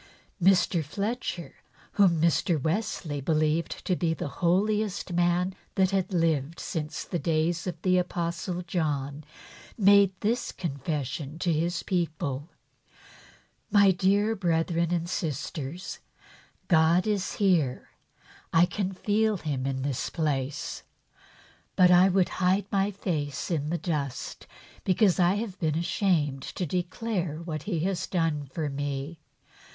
Mr. Fletcher, whom Mr. Wesley believed to be the holiest man that had lived since the days of the Apostle John, made this confession to his people :" My dear brethren and sisters, God is here, I feel Him in this place; but I would hide my face in the dust, because I have been ashamed to declare what He has done for me.